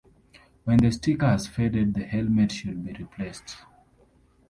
When the sticker has faded the helmet should be replaced.